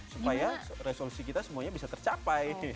supaya resolusi kita semuanya bisa tercapai